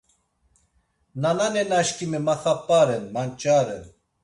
Nananena şǩimi maxap̌aren, manç̌aren.